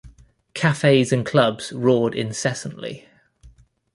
Cafes and clubs roared incessantly.